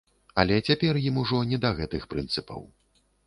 Але цяпер ім ужо не да гэтых прынцыпаў.